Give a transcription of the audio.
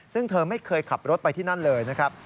ซึ่งเธอไม่เคยขับรถไปที่นั่นเลยนะครับ